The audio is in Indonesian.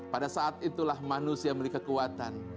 pada saat itulah manusia memiliki kekuatan